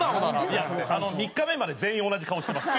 いやあの３日目まで全員同じ顔してます。